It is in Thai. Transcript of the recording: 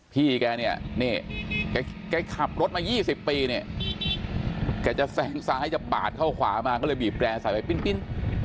พี่แกเนี่ยนี่แกขับรถมา๒๐ปีเนี่ยแกจะแซงซ้ายจะปาดเข้าขวามาก็เลยบีบแกร่ใส่ไปปิ้น